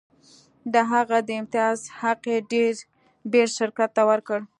د هغه د امتیاز حق یې ډي بیرز شرکت ته ورکړ.